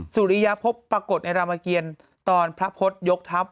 สุริยพบปรากฏในรามเกียรตอนพระพฤษยกทัพ